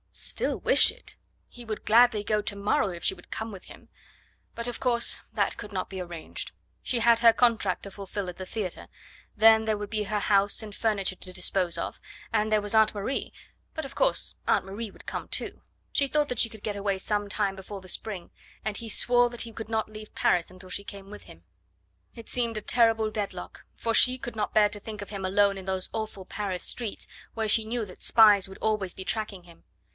Still wish it! He would gladly go to morrow if she would come with him. But, of course, that could not be arranged. She had her contract to fulfil at the theatre, then there would be her house and furniture to dispose of, and there was Aunt Marie.... But, of course, Aunt Marie would come too.... She thought that she could get away some time before the spring; and he swore that he could not leave Paris until she came with him. It seemed a terrible deadlock, for she could not bear to think of him alone in those awful Paris streets, where she knew that spies would always be tracking him.